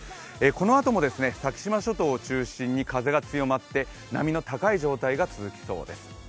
このあとも先島諸島を中心に風が強まって波の高い状態が続きそうです。